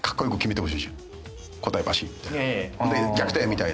それで逆転！みたいな。